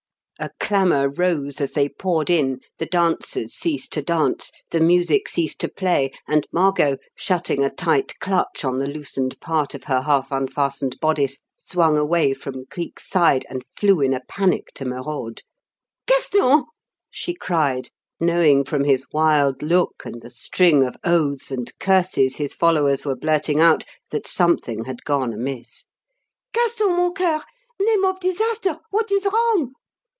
A clamour rose as they poured in; the dancers ceased to dance; the music ceased to play; and Margot, shutting a tight clutch on the loosened part of her half unfastened bodice, swung away from Cleek's side, and flew in a panic to Merode. "Gaston!" she cried, knowing from his wild look and the string of oaths and curses his followers were blurting out that something had gone amiss. "Gaston, mon coeur! Name of disaster! what is wrong?"